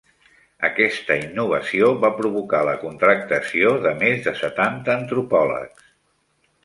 Aquesta innovació va provocar la contractació de més de setanta antropòlegs.